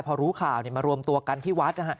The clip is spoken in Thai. พอรู้ข่าวมารวมตัวกันที่วัด